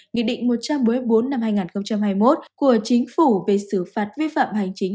nghị định một trăm bốn mươi bốn năm hai nghìn hai mươi một của chính phủ về xử phạt vi phạm hành chính